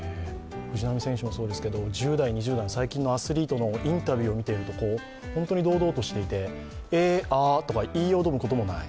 藤波選手もそうですけど１０代、２０代、最近のアスリートのインタビューを見ていると本当に堂々としていて、え、あとか言いよどむこともない。